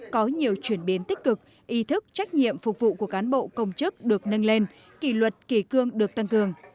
có nhiều chuyển biến tích cực ý thức trách nhiệm phục vụ của cán bộ công chức được nâng lên kỷ luật kỷ cương được tăng cường